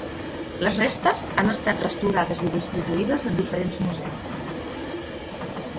Les restes han estat restaurades i distribuïdes en diferents museus.